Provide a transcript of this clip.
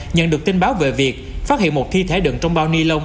nhận được tin báo về việc phát hiện một thi thể đựng trong bao ni lông